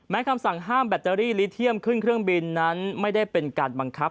คำสั่งห้ามแบตเตอรี่ลิเทียมขึ้นเครื่องบินนั้นไม่ได้เป็นการบังคับ